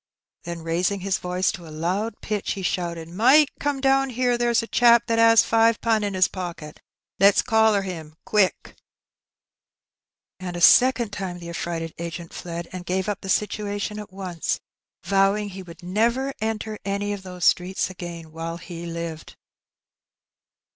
'' Then raising his voice to a loud pitch, he shouted, " Mike, come down here ; there's a chap that 'as five pun' in his pocket ; let's collar him — quick !" And a second time the affi*ighted agent fied, and gave up the situation at once, vowing he would never enter any of those streets again while he lived.